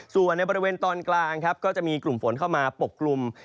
ส่วนในบริเวณตอนกลางครับก็จะมีกลุ่มฝนเข้ามาปกกลุ่ม